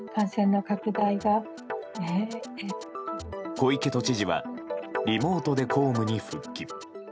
小池都知事は、リモートで公務に復帰。